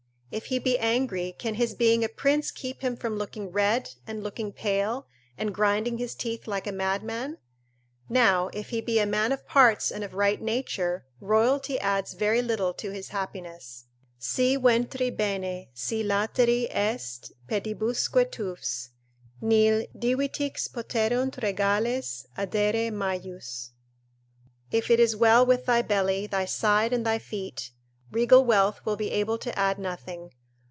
If he be angry, can his being a prince keep him from looking red and looking pale, and grinding his teeth like a madman? Now, if he be a man of parts and of right nature, royalty adds very little to his happiness; "Si ventri bene, si lateri est, pedibusque tuffs, nil Divitix poterunt regales addere majus;" ["If it is well with thy belly, thy side and thy feet, regal wealth will be able to add nothing."